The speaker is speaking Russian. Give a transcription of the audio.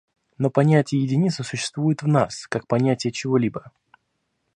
Но понятие единицы существует в нас, как понятие чего-либо.